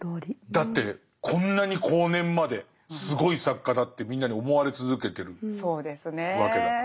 だってこんなに後年まですごい作家だってみんなに思われ続けてるわけだから。